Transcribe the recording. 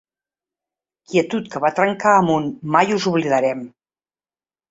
Quietud que va trencar amb un ‘mai us oblidarem’.